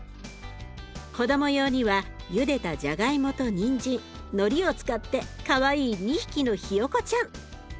子ども用にはゆでたじゃがいもとにんじんのりを使ってかわいい２匹のひよこちゃん。